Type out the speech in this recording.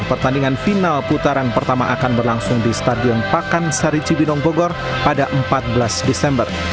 pertandingan final putaran pertama akan berlangsung di stadion pakansari cibinong bogor pada empat belas desember